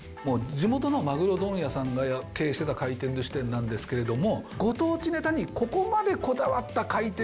地元のマグロ問屋さんが経営してた回転寿司店なんですけれども。